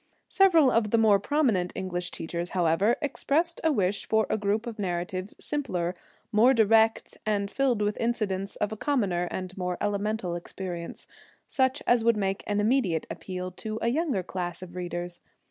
Several of the more prominent English teachers, however, expressed a wish for a group of narratives simpler, more direct, and filled with incidents of a commoner and more elemental experience such as would make an immediate appeal to a younger class of readers.